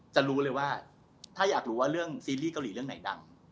จะรู้เลยว่าถ้าอยากรู้ว่าเรื่องซีรีส์เกาหลีเรื่องไหนดัง